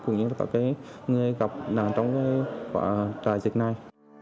cũng như là cả cái người gặp nạn trong cái trại dịch này